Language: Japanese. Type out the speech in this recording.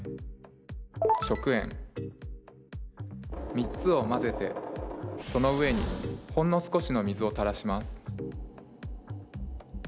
３つを混ぜてその上にほんの少しの水をたらします。